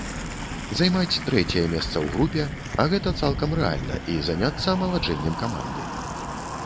Займаць трэцяе месца ў групе, а гэта цалкам рэальна, і заняцца амаладжэннем каманды.